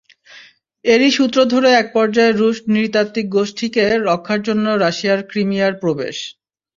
এরই সূত্র ধরে একপর্যায়ে রুশ নৃতাত্ত্বিক গোষ্ঠীকে রক্ষার জন্য রাশিয়ার ক্রিমিয়ায় প্রবেশ।